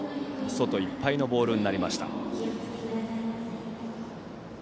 外いっぱいのボールになりました。